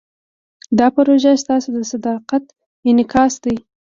دا پروژه ستاسو د صداقت انعکاس دی.